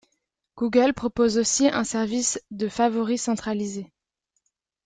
Google propose aussi un service de favoris centralisé.